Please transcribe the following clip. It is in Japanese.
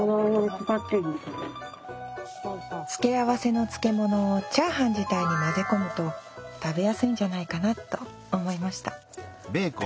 つけ合わせの漬物をチャーハン自体に混ぜ込むと食べやすいんじゃないかなと思いました